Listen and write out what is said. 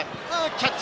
キャッチ。